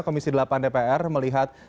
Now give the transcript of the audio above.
komisi delapan dpr melihat